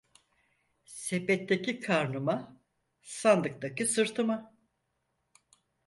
Sepetteki karnıma, sandıktaki sırtıma.